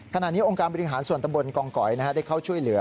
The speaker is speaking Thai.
ขณะนี้องค์การบริหารส่วนตำบลกองก๋อยได้เข้าช่วยเหลือ